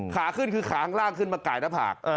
ขาขึ้นคือขาข้างล่างขึ้นมากายหน้าผาก